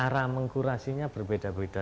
cara mengkurasinya berbeda beda